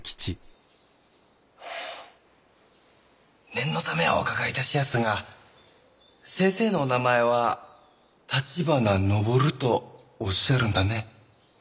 念のためお伺いいたしやすが先生のお名前は立花登とおっしゃるんだね？